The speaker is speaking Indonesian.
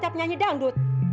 pacar penyanyi dangdut